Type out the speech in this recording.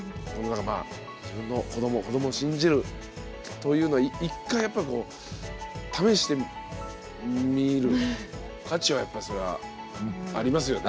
まあ自分の子ども子どもを信じるというのは一回やっぱりこう試してみる価値はやっぱりそりゃあありますよね。